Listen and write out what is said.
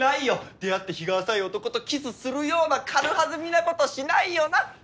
出会って日が浅い男とキスするような軽はずみなことしないよな？